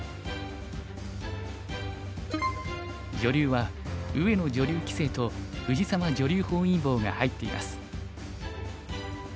女流は上野女流棋聖と藤沢女流本因坊が入っています。